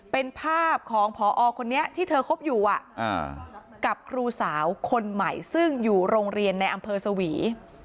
เป็นภาพของพอคนนี้ที่เธอคบอยู่กับครูสาวคนใหม่ซึ่งอยู่โรงเรียนในอำเภอสวี